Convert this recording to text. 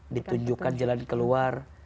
ditunjukkan jalan keluar